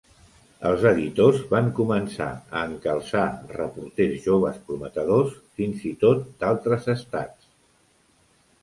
Els editors van començar a encalçar reporters joves prometedors, fins i tot d'altres estats.